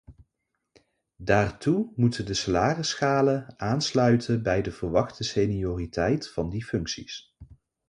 Daartoe moeten de salarisschalen aansluiten bij de verwachte senioriteit van die functies.